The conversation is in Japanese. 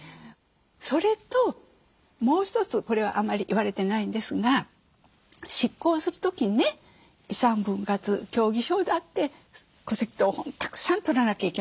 それともう一つこれはあんまり言われてないんですが執行する時にね遺産分割協議書だって戸籍謄本たくさん取らなきゃいけませんね。